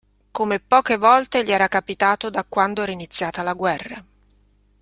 Come poche volte gli era capitato da quando era iniziata la guerra.